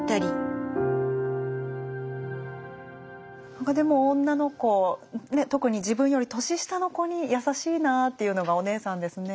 何かでも女の子特に自分より年下の子に優しいなあっていうのがおねえさんですね。